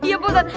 iya pak ustadz